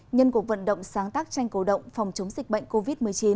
nhân cuộc vận động sáng tác tranh cổ động phòng chống dịch bệnh covid một mươi chín